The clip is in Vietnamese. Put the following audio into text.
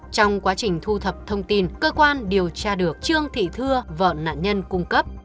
trong quá trình thu thập thông tin cơ quan điều tra được trương thị thưa vợ nạn nhân cung cấp